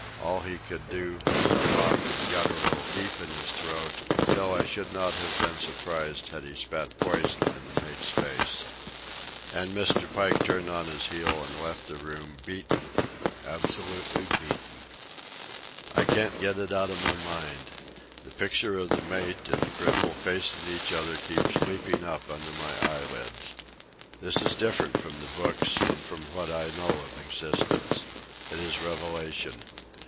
All he could do was to hawk and guttural deep in his throat until I should not have been surprised had he spat poison in the mate's face. And Mr. Pike turned on his heel and left the room, beaten, absolutely beaten. I can't get it out of my mind. The picture of the mate and the cripple facing each other keeps leaping up under my eyelids. This is different from the books and from what I know of existence. It is revelation.